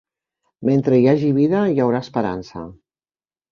Mentre hi hagi vida hi haurà esperança.